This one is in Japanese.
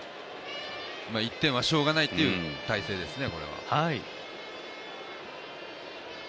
１点はしょうがないという体勢ですね。